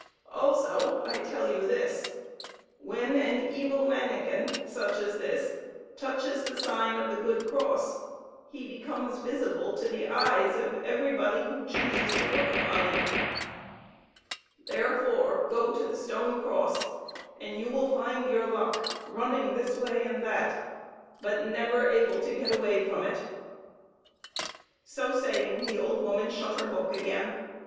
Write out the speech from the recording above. Also, I tell you this: when an evil manikin such as this touches the sign of the good cross, he becomes visible to the eyes of every body who chooses to look upon him. Therefore go to the stone cross and you will find your luck running this way and that, but never able to get away from it." So saying, the old woman shut her book again.